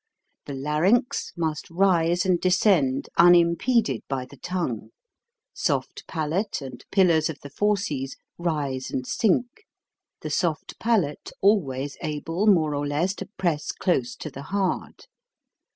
The larynx must rise and descend unim peded by the tongue, soft palate and pillars of the fauces rise and sink, the soft palate al ways able more or less to press close to the hard.